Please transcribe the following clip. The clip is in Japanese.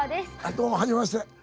どうもはじめまして。